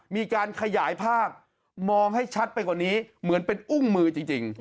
มีการขยายภาพมองให้ชัดไปกว่านี้เหมือนเป็นอุ้งมือจริง